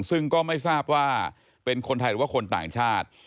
ซึ่งก็ไม่ทราบว่าเป็นคนไทยหรือว่าคนต่างชาติ